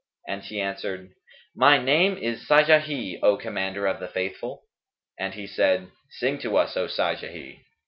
and she answered, "My name is Sajαhν,[FN#215] O Commander of the Faithful," and he said, "Sing to us, O Sajahi!"